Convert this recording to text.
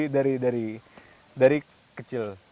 jadi dari kecil